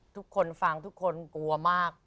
ทุกคนฟังทุกคนกลัวมาก